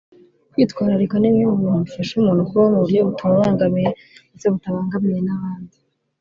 Kwitwararika ni bimwe mu bintu bifasha umuntu kubaho mu buryo butamubangamiye ndetse butabangamiye n’abandi